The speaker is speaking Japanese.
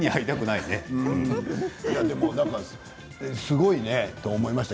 すごいなと思いました。